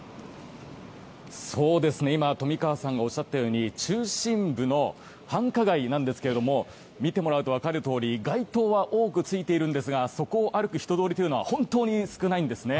今、富川さんがおっしゃったように中心部の繁華街なんですけれども見てもらうと分かるとおり街灯は多くついているんですがそこを歩く人通りというのは本当に少ないんですね。